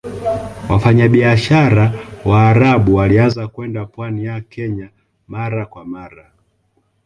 Wafanyabiashara Waarabu walianza kwenda pwani ya Kenya mara kwa mara